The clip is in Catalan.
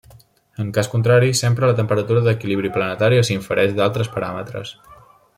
En cas contrari, s'empra la temperatura d'equilibri planetari o s'infereix d'altres paràmetres.